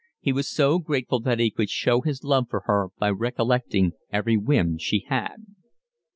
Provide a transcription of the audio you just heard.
He was so grateful that he could show his love for her by recollecting every whim she had.